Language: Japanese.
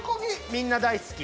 みんな大好き。